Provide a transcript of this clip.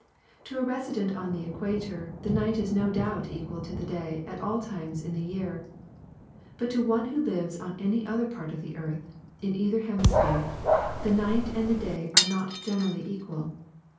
To a resident on the equator the night is no doubt equal to the day at all times in the year, but to one who lives on any other part of the earth, in either hemisphere, the night and the day are not generally equal.